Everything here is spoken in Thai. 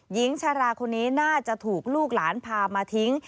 หญิงชาราคนนี้น่าจะถูกลูกหลานพามาทิ้ง